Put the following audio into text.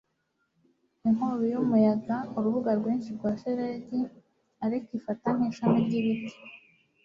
Inkubi y'umuyaga urubura rwinshi rwa shelegi ariko ifata nk'ishami ryibiti